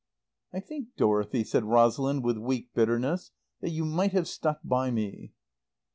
"I think, Dorothy," said Rosalind with weak bitterness, "that you might have stuck by me."